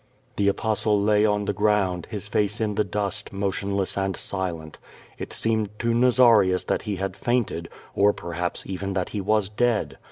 The Apostle lay on the ground, his face in the dust, motion less and silent. It seemed to Nazarius that he had fainted, or perhaps even that he was dead.